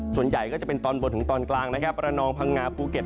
ส่วนใหญ่ก็จะเป็นตอนบนถึงตอนกลางนะครับระนองพังงาภูเก็ต